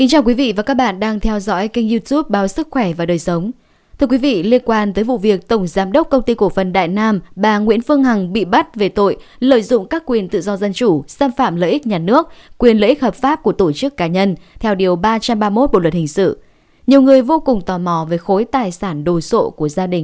hãy đăng ký kênh để ủng hộ kênh của chúng mình nhé